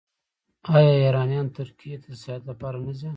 آیا ایرانیان ترکیې ته د سیاحت لپاره نه ځي؟